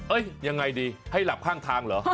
ยังไงดีให้หลับข้างทางเหรอ